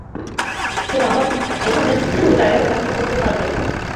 সে আমার ওখানে ড্রাইভারের চাকরি করতে পারবে, তার পুরো দায়ভার আমার।